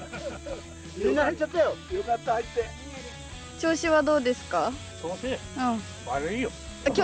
調子はどうですか？